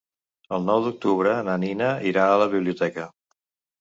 El nou d'octubre na Nina irà a la biblioteca.